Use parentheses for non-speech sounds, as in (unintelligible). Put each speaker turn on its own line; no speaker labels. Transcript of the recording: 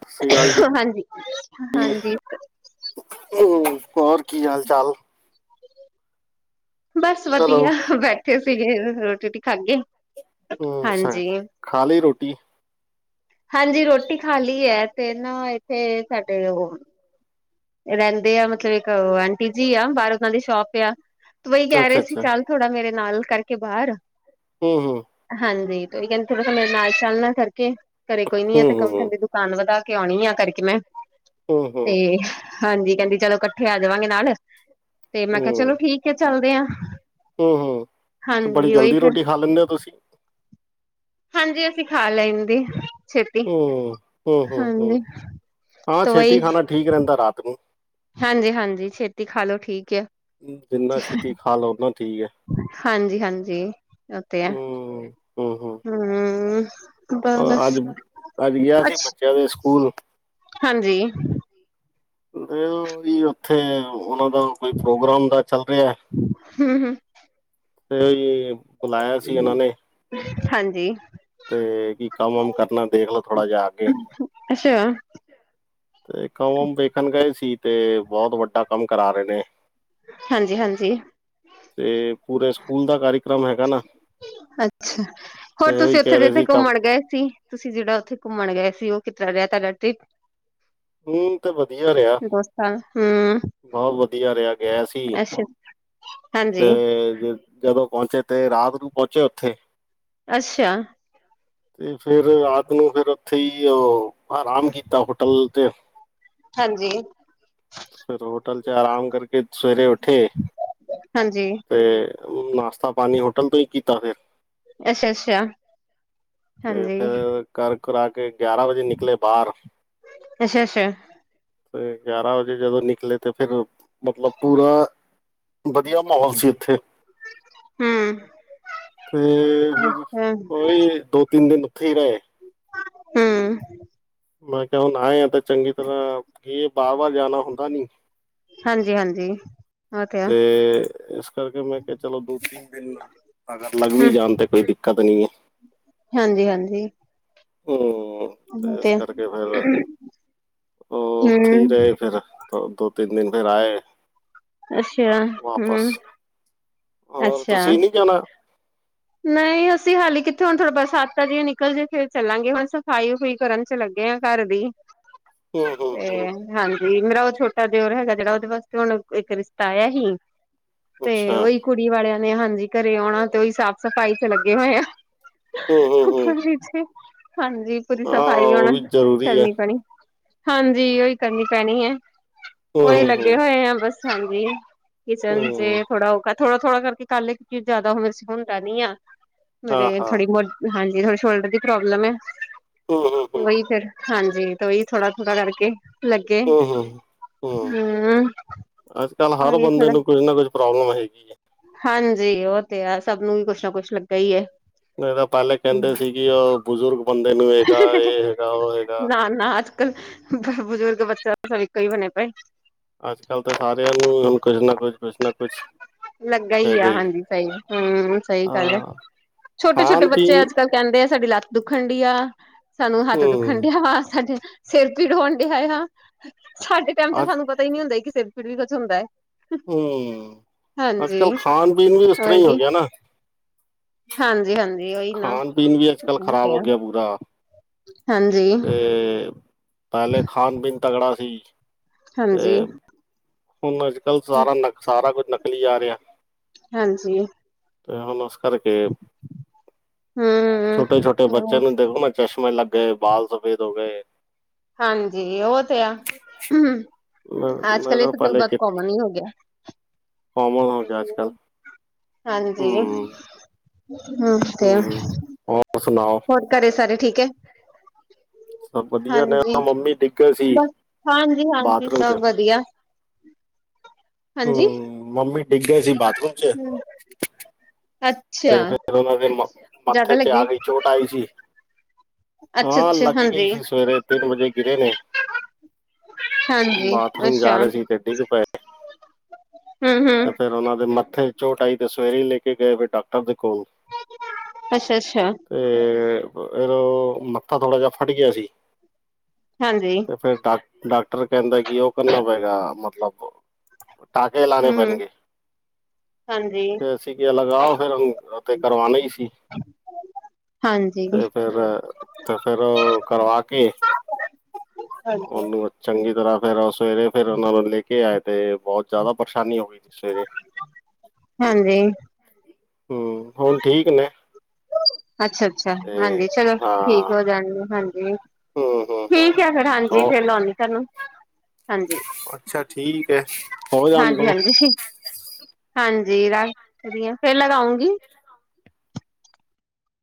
ਹ
ਹਾਂਜੀ, ਹਾਂਜੀ।
ਓਅ ਹੋਰ ਕੀ ਹਾਲ-ਚਾਲ?
ਬਸ
ਹੈਲੋ
ਵਧੀਆ ਬੈਠੇ ਸੀਗੇ ਰੋਟੀ-ਰੁਟੀ ਖਾਗੇ।
ਹੂੰ ਅੱਛਾ, ਖਾ ਲਈ ਰੋਟੀ?
ਹਾਂਜੀ ਰੋਟੀ ਖਾਲੀ ਐ ਤੇਨ ਵਜ ਕੇ ਸਾਡੇ ਓਹ ਰੈਂਦੇ ਆ ਮਤਲਬ ਏਕ ਆਂਟੀ ਜੀ ਆ ਬਾਰ ਓਨਾਂ ਦੀ ਸ਼ੋਪ ਆ ਤੋ ਵਹੀ ਕੈ
ਅੱਛਾ
ਰਹੇ ਸੀ
ਅੱਛਾ
ਚੱਲ
ਹੂੰ
ਥੋੜਾ ਮੇਰੇ ਨਾਲ ਕਰਕੇ ਬਾਰ
ਹੂੰ-ਹੂੰ।
ਹਾਂਜੀ ਤੇ ਓਹੀ ਕੈਂਦੇ ਥੋੜਾ ਮੇਰੇ ਨਾਲ ਚਾਲ ਨਾਲ ਕਰਕੇ, ਘਰੇ ਕੋਈ ਨੀ
ਹੂੰ
ਤੇ ਕੰਮ ਠੰਦੇ
ਹੂੰ
ਦੁ ਤਾਨੂੰ ਪਤਾ ਕਿਓ ਨੀ ਲਯਾ ਕਰਕੇ ਮੈਂ,
ਹੂੰ
ਤੇ ਹਾਂਜੀ ਕੈਂਦੀ ਚਲੋ ਕੱਠੇ ਆ ਜਾਵਾਂਗੇ ਨਾਲ, ਤੇ ਮੈਂ ਕੈਆ ਚਲੋ ਠੀਕ ਐ ਚੱਲਦੇ ਆ।
ਹੂੰ-ਹੂੰ ਤੇ ਬੜੀ
ਹਾਂਜੀ ਉਹੀ
ਜਲਦੀ
ਫਿਰ
ਰੋਟੀ ਖਾ ਲੈਂਦੇ ਹੋ ਤੁਸੀਂ
ਹਾਂਜੀ ਅਸੀਂ ਖਾ ਲੈਂਦੀ, ਛੇਤੀ
ਹੂੰ ਹੂੰ ਹੂੰ ਹੂੰ
ਹਾਂਜੀ।
ਹਾਂ
ਤਾਂ
ਛੇਤੀ ਖਾਣਾ ਠੀਕ ਰੈਂਦਾ ਰਾਤ ਨੂੰ
ਹਾਂਜੀ-ਹਾਂਜੀ ਛੇਤੀ ਖਾਲੋ ਠੀਕ ਆ।
ਜਿੰਨਾ ਛੇਤੀ ਖਾਲੋ ਓਨਾ ਠੀਕ ਐ।
ਹਾਂਜੀ-ਹਾਂਜੀ, ਓਕੇ
ਹੂੰ ਹੂੰ ਹੂੰ
ਹੂੰ।
ਅ ਅੱਜ, ਅੱਜ ਗਿਆ ਸੀ ਬੱਚਿਆਂ ਦੇ ਸਕੂਲ
ਹਾਂਜੀ।
ਅ ਵੀ ਓਥੇ ਓਨਾਂ ਦਾ ਕੋਈ ਪ੍ਰੋਗਰਾਮ ਦਾ ਚੱਲ ਰੈਯਾ
ਹਮ ਹਮ
ਤੇ ਬੁਲਾਇਆ ਸੀ ਏਨਾਂ ਨੇ
ਹਾਂਜੀ।
ਤੇ ਕੀ ਕੰਮ-ਵਮ ਕਰਨਾ ਪਏਗਾ ਥੋੜਾ ਜੇਆ ਅਆ ਕੇ
ਅੱਛਾ
ਤੇ ਕੰਮ-ਵਮ ਵੇਖਣ ਗਏ ਸੀ ਤੇ ਬੋਤ ਵੱਡਾ ਕੰਮ ਕਰਾ ਰਹੇ ਨੇ
ਹਾਂਜੀ-ਹਾਂਜੀ।
ਤੇ ਪੂਰੇ ਸਕੂਲ ਦਾ ਕਾਰੀਕ੍ਰਮ ਹੈਗਾ ਨਾ, ਫੇਰ ਓਈ
ਜਿੱਥੇ-ਜਿੱਥੇ ਕੁੰਮਣ ਗਏ ਸੀ, ਤੁਸੀਂ ਜਿੜਾ ਓਥੇ ਕੁੰਮਣ ਗਏ ਸੀ ਓਹ ਕਿਸ ਤਰ੍ਹਾਂ ਰੈਯਾ ਤਾੜਾ ਟਰਿਪ
ਹੁਣ ਤੇ ਵਧੀਆ ਰੈਯਾ।
(unintelligible) ਹੂੰ।
ਬੋਤ ਵਧੀਆ ਰੈਯਾ ਗਿਆ ਸੀ, ਤੇ
ਹਾਂਜੀ
ਜੇ ਜਦੋਂ ਪੋਚੇ ਤੇ ਰਾਤ ਨੂੰ ਪੋਚੇ ਓਥੇ
ਅੱਛਾ।
ਤੇ ਫਿਰ ਰਾਤ ਨੂੰ ਫੇਰ ਓਥੇ ਈ ਓਹ ਆਰਾਮ ਕੀਤਾ ਹੋਟਲ ਤੇ
ਹਾਂਜੀ।
ਫਿਰ ਹੋਟਲ ਚ ਆਰਾਮ ਕਰਕੇ ਸਵੇਰੇ ਉਠੇ।
ਹਾਂਜੀ
ਤੇ ਨਾਸ਼ਤਾ-ਪਾਣੀ ਹੋਟਲ ਤੋਂ ਈ ਕੀਤਾ ਫੇਰ।
ਅੱਸਾ਼, ਅੱਸਾ਼।
ਤੇ ਫੇਰ ਕਰ ਕਰਾ ਕੇ ਗਿਆਰਾਂ ਵਜੇ ਨਿਕਲੇ ਬਾਰ।
ਅੱਛਾ ਅੱਛਾ
ਫੇਰ ਗਿਆਰਾਂ ਵਜੇ ਜਦੋਂ ਨਿਕਲੇ ਤੇ ਫਿਰ ਮਤਲਬ ਪੂਰਾ ਵਧੀਆ ਮਹੌਲ ਸੀ ਉਥੇ।
ਹਮ
ਤੇ ਫਿਰ
ਅੱਛਾ
ਓਹੀ ਦੋ-ਤਿੰਨ ਦਿਨ ਉੱਥੇ ਈ ਰਏ।
ਹੂੰ।
ਮੈਂ ਕਿਆ ਹੁਣ ਆਏਆ ਤੇ ਚੰਗੀ ਤਰ੍ਹਾਂ, ਕੀ ਬਾਰ-ਬਾਰ ਜਾਣਾ ਹੁੰਦਾ ਨੀ।
ਹਾਂਜੀ, ਹਾਂਜੀ। ਉਹ ਆ
ਤੇ ਏਸ ਕਰਕੇ ਮੈਂ ਕਿਆ ਚਲੋ ਦੋ-ਤਿੰਨ ਦਿਨ ਲਾ ਅਗਰ ਲੱਗ
ਹਮ
ਵੀ ਜਾਣ ਤੇ ਕੋਈ ਦਿੱਕਤ ਨੀ ਐ।
ਹਾਂਜੀ, ਹਾਂਜੀ।
ਹੂੰ, ਤੇ ਇਸ ਕਰਕੇ ਫੇਰ ਓਹ ਓਥੇ ਈ
ਹੂੰ
ਰਏ ਫੇਰ। ਦੋ-ਤਿੰਨ ਦਿਨ ਫੇਰ ਆਏ
ਅੱਛਾ ਹੂੰ
ਵਾਪਸ ਹੋਰ ਤੁਸੀਂ ਨੀ ਜਾਣਾ?
ਨਹੀਂ, ਅਸੀਂ ਹਾਲੀ ਕਿੱਥੇ ਹੁਣ ਥੋੜਾ ਬਰਸਾਤਾਂ ਜਿ ਨਿਕਲ ਜੇ ਫੇਰ ਚਲਾਂਗੀ ਹੁਣ ਸਫ਼ਾਈ ਵੁਫਈ ਕਰਨ ਚ ਲੱਗੇ ਆ ਘਰ ਦੀ।
ਹੂੰ ਹੂੰ
ਤੇ
ਹੂੰ
ਹਾਂਜੀ, ਮੇਰਾ ਓਹ ਛੋਟਾ ਦਿਓਰ ਹੈਗਾ ਜੇੜਾ, ਓਹਦੇ ਵਾਸਤੇ ਹੁਣ ਇੱਕ ਰਿਸ਼ਤਾ ਆਯਾ ਹੀ। ਤੇ
ਅੱਛਾ
ਓਹੀ ਕੁੜੀ ਵਾਲਿਆਂ ਨੇ ਹਾਂਜੀ ਘਰੇ ਔਣਾ ਤੇ ਓਹੀ ਸਾਫ਼-ਸਫ਼ਾਈ ਚ ਲੱਗੇ ਹੋਏ ਆ।
ਹੂੰ ਹੂੰ ਹੂੰ
ਉਪਰ-ਨੀਚੇ, ਹਾਜੀ। ਪੂਰੀ
ਹਾਂ
ਸਫ਼ਾਈ
ਉਹ
ਓਣਾ
ਵੀ ਜ਼ਰੂਰੀ ਹੈ
ਕਰਨੀ ਪੈਣੀ। ਹਾਂਜੀ, ਓਹੀ ਕਰਨੀ ਪੈਣੀ ਏ, ਓਹੀ ਲੱਗੇ
ਹਾਂ
ਹੋਏ ਆ ਬਸ ਹਾਂਜੀ। ਕਿਚਨ ਚੇ ਥੋੜ੍ਹਾ ਓਹ ਕ ਥੋੜਾ-ਥੋੜਾ ਕਰਕੇ ਕਰ ਲੇ ਕਿਉਂਕਿ ਜੈਦਾ ਮੇਰੇ ਸੇ ਹੁੰਦਾ ਨੀ ਆ। ਮੇਰੇ
ਹਾਂ
ਥੋੜੀ ਮੋਡ ਹਾਂਜੀ ਥੋੜੀ ਸ਼ੋਲਡਰ ਦੀ ਪ੍ਰੋਬਲਮ ਐ। ਓਈ ਫੇਰ ਹਾਂਜੀ, ਤੋ ਓਈ ਥੋੜਾ-ਥੋੜ੍ਹਾ ਕਰਕੇ ਲੱਗੇ। ਹੂੰ,
ਅੱਜ ਕੱਲ੍ਹ ਹਰ
ਓਈ
ਬੰਦੇ
ਥੋੜਾ
ਨੂੰ ਕੁਝ ਨਾ ਕੁਝ ਪ੍ਰੋਬਲਮ ਹੈਗੀ ਏ।
ਹਾਂਜੀ, ਓਹ ਤੇ ਐ। ਸਭ ਨੂੰ ਵੀ ਕੁਛ ਨਾ ਕੁਛ ਲੱਗਾ ਈ ਏ।
ਨਹੀਂ ਤਾਂ ਪਾਲੇ ਕੈੰਦੇ ਸੀਗੀ ਓਹ ਬਜ਼ੁਰਗ ਬੰਦੇ ਨੂੰ ਹੇਗਾ ਏਹ ਹੇਗਾ, ਓਹ ਹੈਗਾ।
ਅਨਾਥ ਕਲ ਬੁਜ਼ੁਰਗ ਬੱਚਾ ਸਭ ਇੱਕੋ ਈ ਬਣੇ ਪਏ।
ਅੱਜ-ਕੱਲ੍ਹ ਤੇ ਸਾਰਿਆਂ ਨੂੰ ਹੁਣ ਕੁਝ ਨਾ ਕੁਝ, ਕੁਛ ਨਾ ਕੁਛ
ਲੱਗਾ ਈ ਐ,
ਹੈਗਾ ਹੀ
ਹਾਂਜੀ ਸਹੀ ਐ। ਹੂੰ, ਸਹੀ ਗੱਲ ਐ।
ਹਾਂ
ਛੋਟੇ-ਛੋਟੇ
ਖਾਣ
ਬੱਚੇ
ਪੀਣ
ਅੱਜ-ਕੱਲ ਕੈੰਦੇ ਐ ਸਾਡੀ ਲੱਤ ਦੁੱਖਣ ਡੀ ਆ। ਸਾਨੂੰ ਹੱਥ
ਹਮ
ਦੁੱਖਣ ਡਿਆ ਵਾ। ਸਾਡੇ ਸੇਰ ਪੀੜ ਹੋਣ ਡੇਆ ਆ। ਸਾਡੇ ਟੈਮ ਚ
ਅੱਜ
ਸਾਨੂੰ ਪਤਾ ਈ ਨੀ ਹੁੰਦਾ ਹੀ ਕਿ ਸੇਰ ਪੀੜ ਵੀ ਕੁਛ ਹੁੰਦਾ ਏ।
ਹੂੰ, ਅੱਜ-ਕੱਲ ਖਾਣ-ਪੀਣ ਵੀ ਉਸ ਤਰ੍ਹਾਂ
ਹੋਰ
ਈ ਹੋ
ਕੀ
ਗਿਆ ਨਾ।
ਹਾਂਜੀ, ਹਾਂਜੀ। ਉਹੀ ਨਾ
ਖਾਣ-ਪੀਣ ਵੀ ਅੱਜ-ਕੱਲ੍ਹ ਖ਼ਰਾਬ
ਹਾਂਜੀ
ਹੋ ਗਿਐ ਪੂਰਾ।
ਹਾਂਜੀ
ਤੇ, ਪੈਲੇ ਖਾਣ-ਪੀਣ ਤਗੜਾ ਸੀ।
ਹਾਂਜੀ।
ਤੇ ਹੁਣ ਅੱਜ-ਕੱਲ ਸਾਰਾ ਨ ਸਾਰਾ ਕੁੱਝ ਨਕਲੀ ਆ ਰਿਐ।
ਹਾਂਜੀ।
ਤੇ ਹੋਣ ਓਸ ਕਰ ਕੇ
ਹਮ
ਛੋਟੇ-ਛੋਟੇ ਬੱਚੇ
ਹਮ
ਨੂੰ ਦੇਖੋ ਨਾ ਚਸ਼ਮੇ ਲੱਗ ਗਏ, ਬਾਲ ਸਫੇਦ ਹੋ ਗਏ।
ਹਾਂਜੀ ਓ ਤੇ ਆ,
ਮੈਂ ਮੈਂ
ਅੱਜ-ਕਲ ਏ
ਕਿਹਾ
ਤਾਂ ਫਿਰ
ਪਹਿਲੇ
ਬੋਤ
ਕਿ
ਈ ਕੋਮਨ ਈ ਹੋ ਗੇਆ।
ਕਾਮਨ ਹੋ ਗਿਆ ਅੱਜ ਕੱਲ੍ਹ
ਹੂੰ, ਹਾਂਜੀ।
ਹੂੰ ਹੂੰ
(unintelligible)
ਹੋਰ ਸੁਣਾਓ
ਹੋਰ ਘਰੇ ਸਾਰੇ ਠੀਕ ਐ?
ਸਬ ਵਦੀਆ ਨੇ ਮੰਮੀ ਡਿੱਗੇ ਸੀ,
ਬਸ ਹਾਂਜੀ ਹਾਂਜੀ
ਬਾਥਰੂਮ 'ਚ
ਸਭ ਵਧੀਆ ਹਾਂਜੀ
ਹੂੰ, ਮਮੀ ਡਿੱਗ ਗੇ ਸੀ ਬਾਥਰੂਮ 'ਚ
ਹੂੰ, ਅੱਛਾ।
ਤੇ ਫੇਰ ਓਨਾ ਦੇ ਮ,
ਜ਼ਿਆਦਾ
ਮੱਥੇ ਚ
ਲੱਗੀ,
ਆ ਗਈ ਚੋਟ ਆਈ ਸੀ ਹਾਂ,
ਅੱਛਾ-ਅੱਛਾ,
ਲੱਗ ਗੀ ਗਈ ਸੀ ਸਵੇਰੇ ਤਿੰਨ ਵਜੇ ਗਿਰੇ ਨੇ
ਹਾਂਜੀ-ਹਾਂਜੀ,
ਬਾਥਰੂਮ
ਅੱਛਾ।
ਜਾ ਰੇ ਸੀ ਤੇ ਡਿੱਗ ਪਏ
ਹੂੰ-ਹੂੰ।
ਫੇਰ ਓਨਾਂ ਦੇ ਮੱਥੇ 'ਚ ਚੋਟ ਆਈ ਤੇ ਸਵੇਰੇ ਈ ਲੇਕੇ ਗਏ ਫੇਰ ਡਾਕਟਰ ਦੇ ਕੋਲ
ਅੱਸ਼-ਅੱਸਾ਼।
ਤੇ, ਬ ਅਰ ਮੱਥਾ ਥੋੜਾ ਜਾ ਫੱਟ ਗੇਆ ਸੀ।
ਹਾਂਜੀ।
ਤੇ ਫੇਰ ਡਾ ਡਾਕਟਰ ਕੈਂਦਾ ਕਿ ਓ ਕਰਨਾ ਪਏਗਾ ਮਤਲਬ, ਟਾਕੇ ਲ
ਹੂੰ-ਹੂੰ,
ਗਨ ਗੇ।
ਹਾਂਜੀ।
ਤੇ ਅਸੀਂ ਕੇਆ ਲਗਾਓ ਫੇਰ ਹੁਨ ਓਤੇ ਕਰਵਾਨਾ ਈ ਸੀ
ਹਾਂਜੀ,
ਤੇ ਫੇਰ, ਤੇ ਫੇਰ ਓ ਕਰਵਾ ਕੇ
ਹਾਂਜੀ।
ਉਹਨੂੰ ਚੰਗੀ ਤਰਾਂ ਫੇਰ ਓ ਸਵੇਰੇ ਫੇਰ ਓਨਾ ਨੂੰ ਲੇ ਕੇ ਆਏ ਤੇ ਬੋਤ ਜਾਦਾ ਪਰਸ਼ਾਨੀ ਹੋ ਗਈ ਸੀ ਸਵੇਰੇ।
ਹਾਂਜੀ।
ਹੂੰ, ਹੋਨ ਠੀਕ ਨੇ।
ਅੱਛ-ਅੱਛਾ, ਹਾਂਜੀ
ਤੇ
ਚਲੋ
ਹਾਂ
ਠੀਕ ਹੋ ਜਾਨਗੇ ਹਾਂਜੀ।
ਹੂੰ ਹੂੰ ਹੂੰ
ਠੀਕ ਐ ਫੇਰ ਹਾਂਜੀ
ਉਹ
ਫੇਰ ਲੌਨੀ ਤਾਂਨੂੰ, ਹਾਂਜੀ।
ਅੱਛਾ ਠੀਕ ਏ।
ਹਾਂਜੀ-ਹਾਂਜੀ, ਠੀ ਹਾਂਜੀ ਰਾੱਖ ਰੀ ਆਂ ਫੇਰ ਲਗਾਉਂਗੀ।